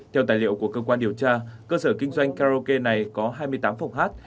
theo tài liệu của cơ quan điều tra cơ sở kinh doanh karaoke này có hai mươi tám phòng hát